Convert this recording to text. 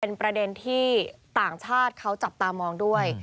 เป็นประเด็นที่ต่างชาติเขาจับตามองด้วย